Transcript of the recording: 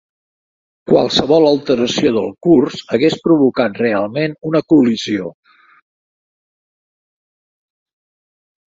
Qualsevol alteració del curs hagués provocat realment una col·lisió.